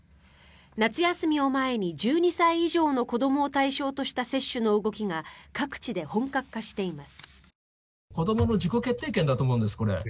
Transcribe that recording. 夏休みを前に１２歳以上の子どもを対象とした接種の動きが各地で本格化しています。